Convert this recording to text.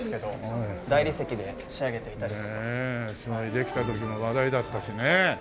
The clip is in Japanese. できた時も話題だったしねえ。